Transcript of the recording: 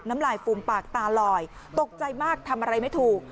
น้ำลายฟูมปากตาลอยตกใจมากทำอะไรไม่ถูก